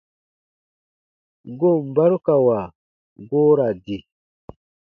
Goon barukawa goo ra di.